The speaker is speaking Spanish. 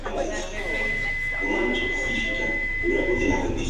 Al comienzo, White temía personificar a Rose, creyendo que no sería capaz de hacerlo.